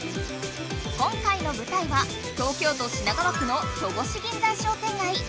今回のぶたいは東京都品川区の戸越銀座商店街。